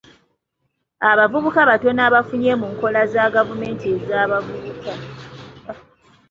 Abavubuka batono abafunye mu nkola za gavumenti ez'abavubuka.